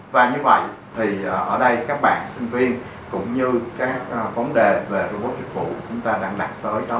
và như vậy ở đây các bạn sinh viên cũng như các vấn đề về robot dịch vụ chúng ta đang đặt tới